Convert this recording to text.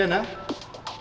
ada di anak